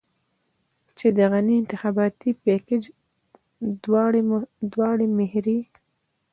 چې د غني د انتخاباتي پېکج دواړې مهرې.